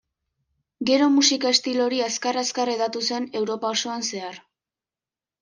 Gero, musika estilo hori azkar-azkar hedatu zen Europa osoan zehar.